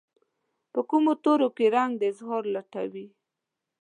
په کومو تورو کې رنګ د اظهار لټوي